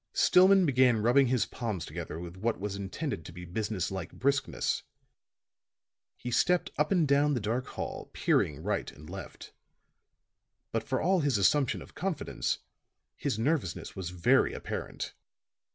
Stillman began rubbing his palms together with what was intended to be business like briskness; he stepped up and down the dark hall, peering right and left. But for all his assumption of confidence, his nervousness was very apparent.